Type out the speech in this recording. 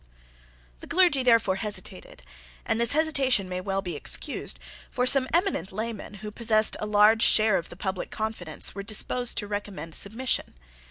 The clergy therefore hesitated; and this hesitation may well be excused: for some eminent laymen, who possessed a large share of the public confidence, were disposed to recommend submission.